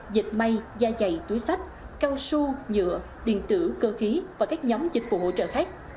dịch may da dày túi sách cao su nhựa điện tử cơ khí và các nhóm dịch vụ hỗ trợ khác